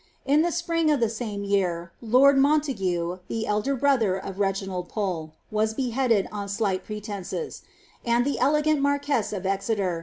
In the sprirj of the same year, lord Montague (the elder brother of Reginald Pole was beheaded on slight pretences ; and the elegant marquess of Exe!fr.